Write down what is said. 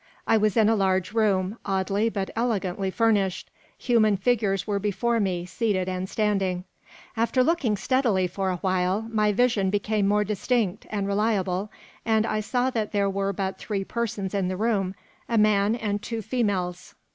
I was in a large room, oddly but elegantly furnished. Human figures were before me, seated and standing. After looking steadily for a while, my vision became more distinct and reliable; and I saw that there were but three persons in the room, a man and two females.